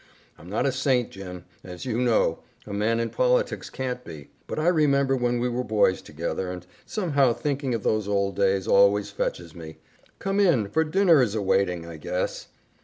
I'm not a saint, Jim, as you know a man in politics can't be but I remember when we were boys together, and somehow thinking of those old days always fetches me. Come in, for dinner is a waiting, I guess."